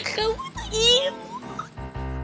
kamu tuh imut